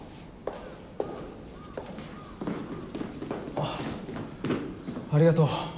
あありがとう。